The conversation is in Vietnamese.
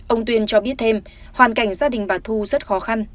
ông tuyên cho biết thêm hoàn cảnh gia đình bà thu rất khó khăn